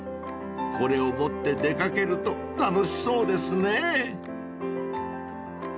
［これを持って出掛けると楽しそうですね］